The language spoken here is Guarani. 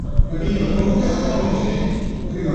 Ndaikatúirõ reveve, eñani